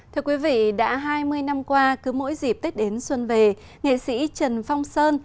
thưa quý vị đã hai mươi năm qua cứ mỗi dịp tết đến xuân về nghệ sĩ trần phong sơn